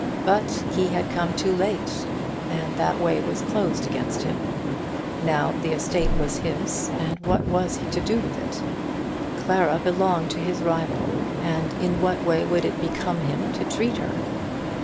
But he had come too late, and that way was closed against him! Now the estate was his, and what was he to do with it? Clara belonged to his rival, and in what way would it become him to treat her?